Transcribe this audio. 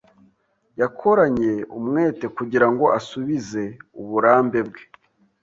Yakoranye umwete kugirango asubize uburambe bwe.